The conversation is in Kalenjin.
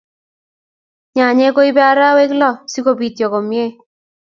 Nyanyek ko ibe arawek loo sikopityo komie